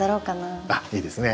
あっいいですね。